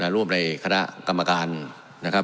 ร่วมในคณะกรรมการนะครับ